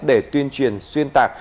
để tuyên truyền xuyên tạc